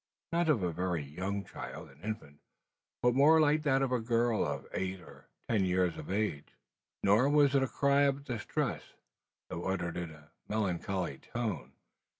Not of a very young child, an infant, but more like that of a girl of eight or ten years of age! Nor was it a cry of distress, though uttered in a melancholy tone.